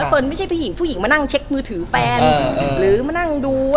เฟิร์นไม่ใช่ผู้หญิงผู้หญิงมานั่งเช็คมือถือแฟน